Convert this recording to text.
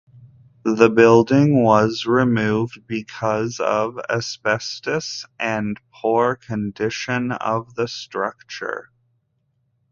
The building was removed because of asbestos and poor condition of the structure.